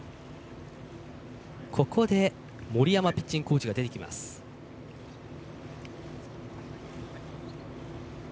ここで森山ピッチングコーチが出てきました。